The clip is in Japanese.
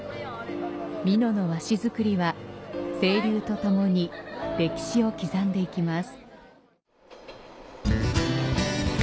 美濃の和紙作りは清流とともに歴史を刻んでいきます。